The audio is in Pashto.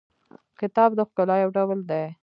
کتاب د ښکلا یو ډول دی.